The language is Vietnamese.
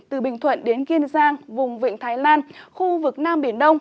từ bình thuận đến kiên giang vùng vịnh thái lan khu vực nam biển đông